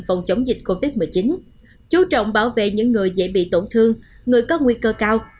phòng chống dịch covid một mươi chín chú trọng bảo vệ những người dễ bị tổn thương người có nguy cơ cao